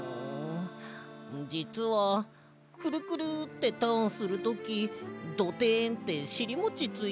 じつはくるくるってターンするときドテンってしりもちついちゃって。